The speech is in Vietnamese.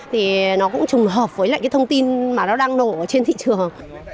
thì nó cũng trùng hợp với lại cái thông tin mà nó đang nổ trên thị trường